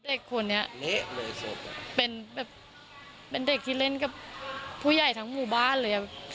เด็กคนนี้เละเลยศพเป็นแบบเป็นเด็กที่เล่นกับผู้ใหญ่ทั้งหมู่บ้านเลยอ่ะ